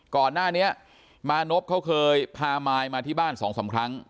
ก่อนหน้านี้มานพเขาเคยพามายมาที่บ้าน๒๓ครั้ง